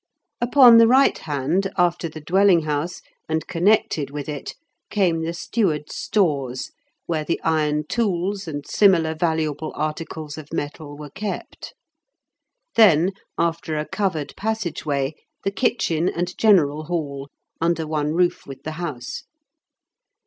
Upon the right hand, after the dwelling house, and connected with it, came the steward's stores, where the iron tools and similar valuable articles of metal were kept. Then, after a covered passage way, the kitchen and general hall, under one roof with the house.